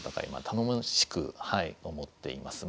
頼もしく思っています。